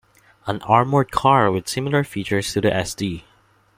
An armoured car with similar features to the Sd.